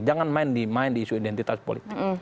jangan main di main di isu identitas politik